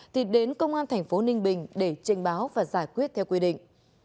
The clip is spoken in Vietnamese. thì đến công an tp ninh bình để trình báo và giải quyết theo quy định